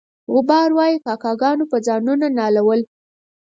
غبار وایي کاکه ګانو به ځانونه نالول.